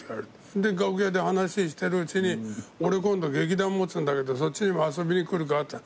で楽屋で話してるうちに「俺今度劇団持つんだけどそっちにも遊びに来るか」って。